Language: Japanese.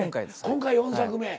今回４作目。